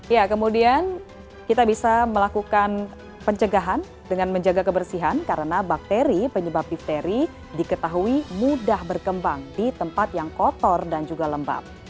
ya kemudian kita bisa melakukan pencegahan dengan menjaga kebersihan karena bakteri penyebab difteri diketahui mudah berkembang di tempat yang kotor dan juga lembab